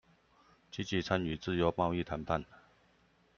積極參與自由貿易談判